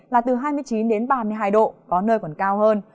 là từ hai mươi chín đến ba mươi hai độ có nơi còn cao hơn